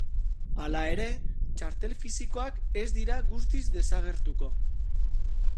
Hala ere, txartel fisikoak ez dira guztiz desagertuko.